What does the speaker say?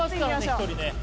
１人ね